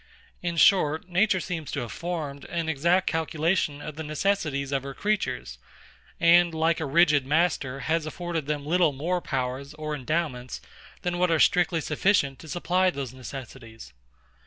In short, nature seems to have formed an exact calculation of the necessities of her creatures; and, like a rigid master, has afforded them little more powers or endowments than what are strictly sufficient to supply those necessities.